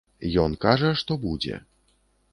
Ён кажа, што будзе.